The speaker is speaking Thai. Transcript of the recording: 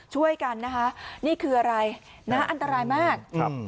ช่วยกันนี่คืออะไรอันตรายมาก